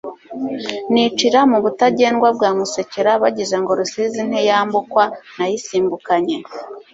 nicira mu Butagendwa bwa Musekera, bagize ngo Rusizi ntiyambukwa, nayisimbukanye